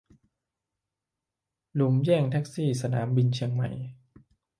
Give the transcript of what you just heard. รุมแย่งแท็กซี่ สนามบินเชียงใหม่